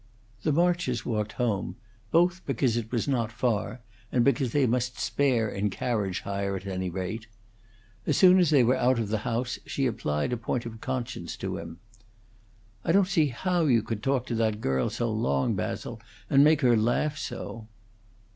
The Marches walked home, both because it was not far, and because they must spare in carriage hire at any rate. As soon as they were out of the house, she applied a point of conscience to him. "I don't see how you could talk to that girl so long, Basil, and make her laugh so."